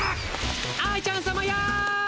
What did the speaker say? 愛ちゃんさまやい。